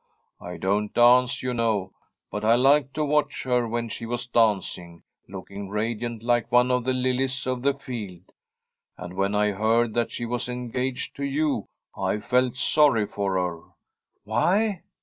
I don't dance, you know, but I liked to watch her when she was dancing, look ing radiant like one of the lilies of the field. And when I heard that she was engaged to you, I felt sorry for her.' 'Why?'